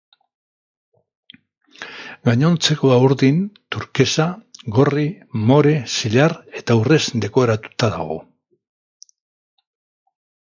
Gainontzekoa urdin, turkesa, gorri, more, zilar eta urrez dekoratuta dago.